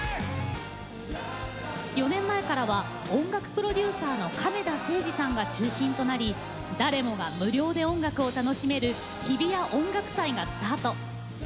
４年前からは音楽プロデューサーの亀田誠治さんが中心となり誰もが無料で音楽を楽しめる日比谷音楽祭がスタート。